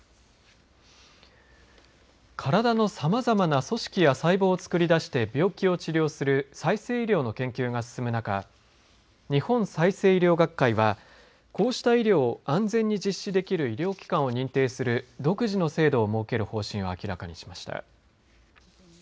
体のさまざまな組織や細胞を作り出して病気を治療する再生医療の研究が進む中日本再生医療学会はこうした医療を安全に実施できる医療機関を認定する独自の制度を設ける方針を明らかにしました。